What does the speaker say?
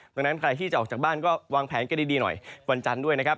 ดังนั้นใครที่จะออกจากบ้านก็วางแผนกันดีหน่อยวันจันทร์ด้วยนะครับ